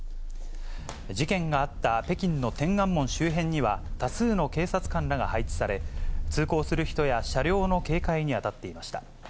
事件があった北京の天安門周辺には、多数の警察官らが配置され、通行する人や車両の警戒に当たっていました。